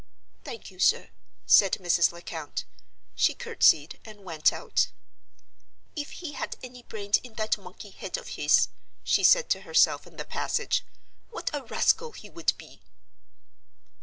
"Thank you, sir," said Mrs. Lecount. She courtesied and went out. "If he had any brains in that monkey head of his," she said to herself in the passage, "what a rascal he would be!"